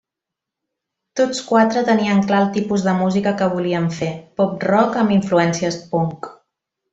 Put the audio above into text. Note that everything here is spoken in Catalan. Tots quatre tenien clar el tipus de música que volien fer: pop-rock amb influències punk.